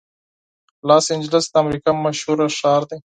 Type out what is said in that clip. لاس انجلس د امریکا مشهور ښار دی.